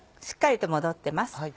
しっかりと戻ってます。